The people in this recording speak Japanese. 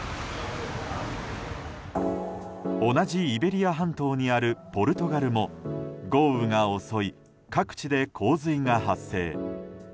同じイベリア半島にあるポルトガルも豪雨が襲い、各地で洪水が発生。